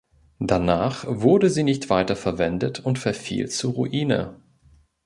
Danach wurde sie nicht weiter verwendet und verfiel zur Ruine.